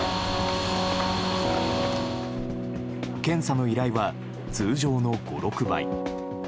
検査の依頼は通常の５６倍。